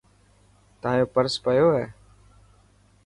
تايو پرس پيو هي.